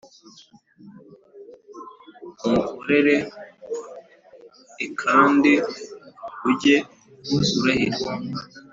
umukorere l kandi ujye urahira